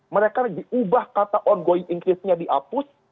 mereka diubah kata ongoing increase nya diapus